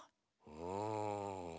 うん？